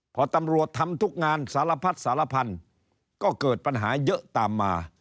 พอตำรวจทำทุกงานสารพัดสารพันธุ์ก็เกิดปัญหาเยอะตามมา